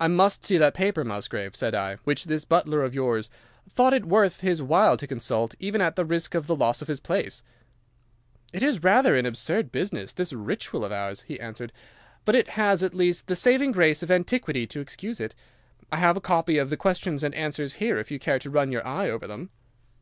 "'I must see that paper, Musgrave,' said I, 'which this butler of yours thought it worth his while to consult, even at the risk of the loss of his place.' "'It is rather an absurd business, this ritual of ours,' he answered. 'But it has at least the saving grace of antiquity to excuse it. I have a copy of the questions and answers here if you care to run your eye over them.